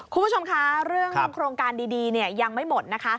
คุณผู้ชมคะเรื่องโครงการดียังไม่หมดนะคะ